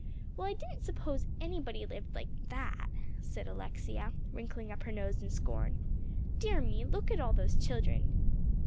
"Well, I didn't suppose anybody lived like that," said Alexia, wrinkling up her nose in scorn. "Dear me, look at all those children!"